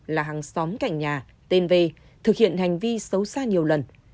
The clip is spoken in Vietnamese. là hàng xóm cạnh nhà tên v thực hiện hành vi xấu xa nhiều lần